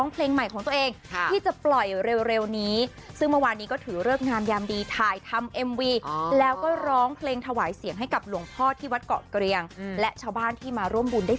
เป็นแฟนบันเทิงแถวรัฐของเราโดยเฉพาะด้วย